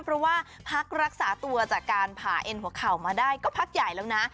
เพราะว่าพักรักษาตัวจากการผ่าเอ็นหัวเข่ามาได้ก็พักใหญ่แล้วนะ